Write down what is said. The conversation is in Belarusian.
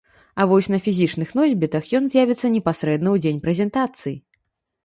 А вось на фізічных носьбітах ён з'явіцца непасрэдна ў дзень прэзентацыі.